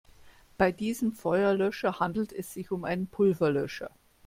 Bei diesem Feuerlöscher handelt es sich um einen Pulverlöscher.